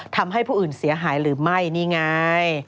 ทำให้ผู้อื่นเสียหายหรือไม่นี่ไง